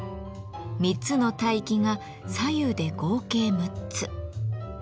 ３つの帯域が左右で合計６つ。